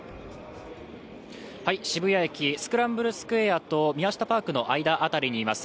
渋谷駅スクランブルスクエアと宮下パークの間辺りにいます。